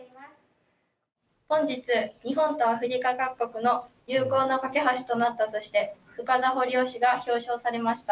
本日、日本とアフリカ各国の友好の懸け橋となったとして深田掘夫氏が表彰されました。